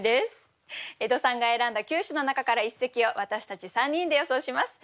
江戸さんが選んだ９首の中から一席を私たち３人で予想します。